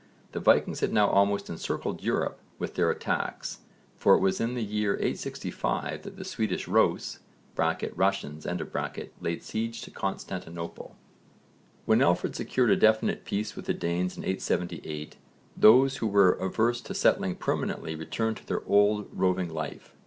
The Vikings had now almost encircled Europe with their attacks, for it was in the year 865 that the Swedish Rhôs (Russians) laid siege to Constantinople. When Alfred secured a definite peace with the Danes in 878, those who were averse to settling permanently returned to their old roving life.